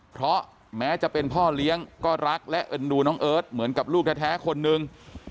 เพราะแม้จะเป็นพ่อเลี้ยงก็รักและเอ็นดูน้องเอิร์ทเหมือนกับลูกแท้คนนึง